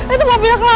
itu mobilnya clara